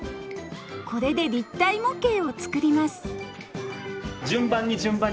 これで立体模型を作ります